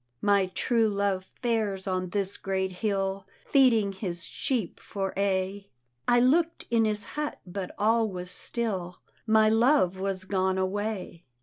My true love fares on this great hill. Feeding his sheep for aye; I look'd in his hut, but all was still, My love was gone away.